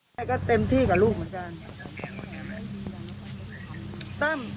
ใช่ก็เต็มที่กับลูกผู้ที่สาม